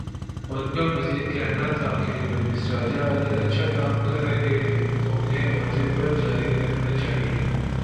ان کا مزید کہنا تھا کہ رمیز راجہ اگر اچھا کام کررہے ہیں تو انہیں عہدے پر جاری رہنا چاہیے۔